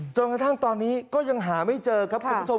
จนกระทั่งตอนนี้ก็ยังหาไม่เจอครับคุณผู้ชม